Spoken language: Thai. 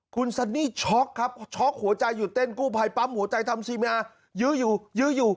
คุณซันนี่ช็อคครับช็อคหัวใจหยุดเต้นกู้ภัยปั๊มหัวใจทำซีเมีย